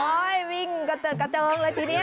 วิ่งกระเจิดกระเจิงเลยทีนี้